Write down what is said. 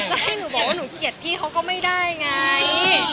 แล้วให้หนูบอกว่าหนูเกลียดพี่เขาก็ไม่ได้ไง